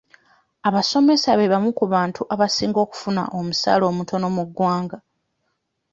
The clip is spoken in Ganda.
Abasomesa be bamu ku bantu abasinga okufuna omusaala omutono mu ggwanga.